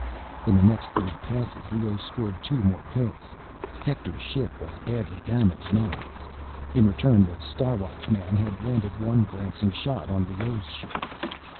In the next three passes, Leoh scored two more hits. Hector's ship was badly damaged now. In return, the Star Watchman had landed one glancing shot on Leoh's ship.